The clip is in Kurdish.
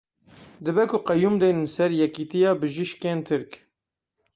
Dibe ku qeyûm deynin ser Yekîtiya Bijîşkên Tirk.